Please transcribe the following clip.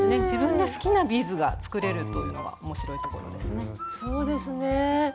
自分の好きなビーズが作れるというのは面白いところですね。